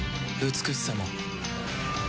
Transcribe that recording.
美しさも